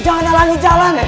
jangan ada langit jalan